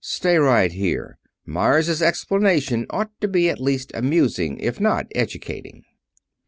Stay right here. Meyers's explanation ought to be at least amusing, if not educating."